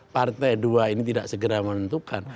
partai dua ini tidak segera menentukan